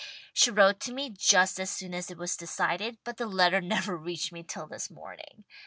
She wrote to me just as soon as it was decided, but the letter never reached me till this morning.